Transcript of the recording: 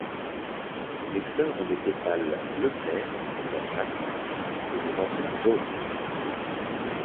Les fleurs ont des tépales bleu clair ou blanchâtres et des anthères jaunes.